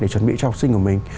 để chuẩn bị cho học sinh của mình